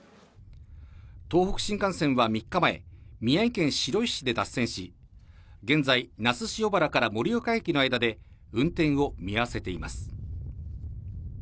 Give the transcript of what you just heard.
東北新幹線は３日前、宮城県白石市で脱線し、現在、那須塩原から盛岡駅の間で運転を見合わせています。